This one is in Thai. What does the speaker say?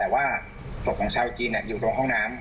แต่ว่าศพของชาวจีนอยู่ตรงห้องน้ำ